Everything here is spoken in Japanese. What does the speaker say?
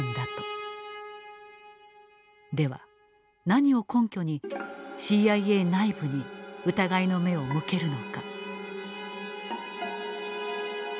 では何を根拠にＣＩＡ内部に疑いの目を向けるのか？